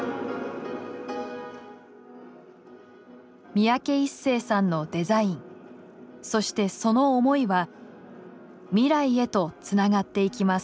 三宅一生さんのデザインそしてその思いは未来へとつながっていきます。